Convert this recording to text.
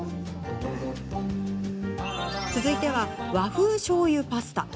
続いては和風しょうゆパスタ。